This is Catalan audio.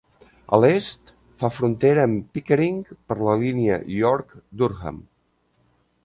A l'est fa frontera amb Pickering per la línia York-Durham.